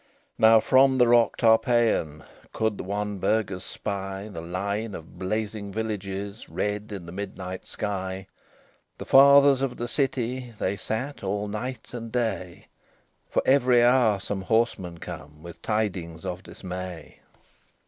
XVI Now, from the rock Tarpeian, Could the wan burghers spy The line of blazing villages Red in the midnight sky. The Fathers of the City, They sat all night and day, For every hour some horseman come With tidings of dismay.